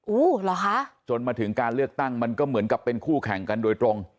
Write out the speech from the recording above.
เหรอคะจนมาถึงการเลือกตั้งมันก็เหมือนกับเป็นคู่แข่งกันโดยตรง